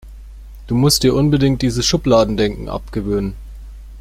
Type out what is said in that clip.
Du musst dir unbedingt dieses Schubladendenken abgewöhnen.